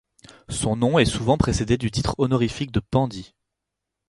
Son nom est souvent précédé du titre honorifique de pandit.